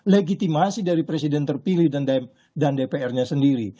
legitimasi dari presiden terpilih dan dpr nya sendiri